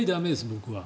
僕は。